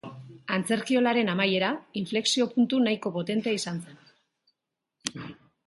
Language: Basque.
Antzerkiolaren amaiera inflexio-puntu nahiko potentea izan zen.